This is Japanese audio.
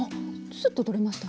スッと取れましたね。